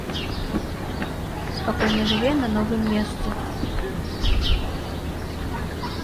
Спакойна жыве на новым месцы.